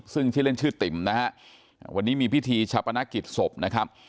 ซึ่งชื่อเล่นชื่อติ๋มนะฮะวันนี้มีพิธีชาปนกิจศพนะครับ